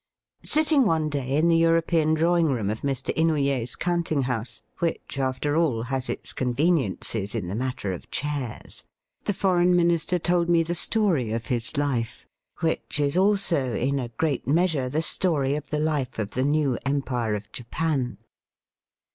Sitting one day in the European drawing room of Mr. Inouye's counting house (which, after all, has its conveniences in the matter of chairs), the Foreign Minister told me the story of his life, which is also, in a great measure, the story of the life of the new Empire of Japan.